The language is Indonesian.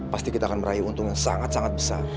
pasti kita akan meraih untung yang sangat sangat besar